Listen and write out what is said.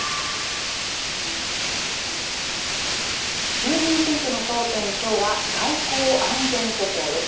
衆議院選挙の争点、きょうは外交・安全保障です。